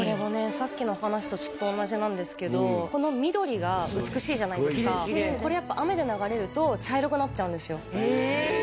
さっきの話とちょっと同じなんですけどこの緑が美しいじゃないですかきれいきれいこれやっぱ雨で流れると茶色くなっちゃうんですよえ！？